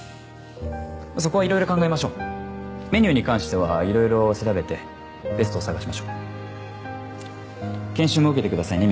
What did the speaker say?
そこはいろいろ考えましょうメニューに関してはいろいろ調べてベストを探しましょう研修も受けてくださいね